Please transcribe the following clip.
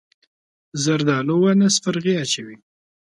زردالو ونه سپرغۍ اچوي.